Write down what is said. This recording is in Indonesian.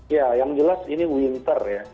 ya yang jelas ini winter ya